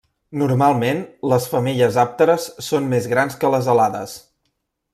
Normalment, les femelles àpteres són més grans que les alades.